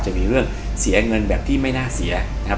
จะมีเรื่องเสียเงินแบบที่ไม่น่าเสียนะครับ